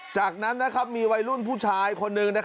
จากนั้นมีวัยรุ่นผู้ชายคนหนึ่ง